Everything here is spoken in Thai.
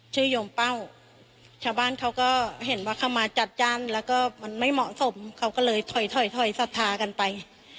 โยมเป้าชาวบ้านเขาก็เห็นว่าเขามาจัดจ้านแล้วก็มันไม่เหมาะสมเขาก็เลยถอยถอยศรัทธากันไป